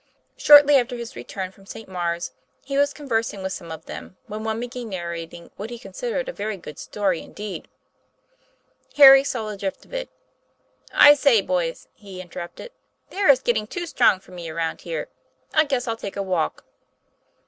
Shortly after his return from St. Maure's, he was conversing with some of them, when one began nar rating what he considered a very good story indeed. Harry saw the drift of it. 'I say, boys," he interrupted, "the air is getting too strong for me around here. I guess I'll take a walk."